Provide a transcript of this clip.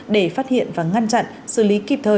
để phát hiện và ngăn chặn xử lý kịp thời